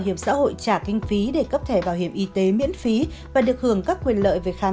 hiểm xã hội trả kinh phí để cấp thẻ bảo hiểm y tế miễn phí và được hưởng các quyền lợi về khám